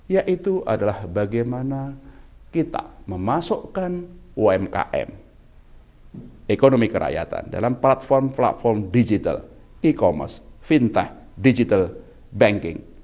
yaitu adalah bagaimana kita memasukkan umkm ekonomi kerakyatan dalam platform platform digital e commerce fintech digital banking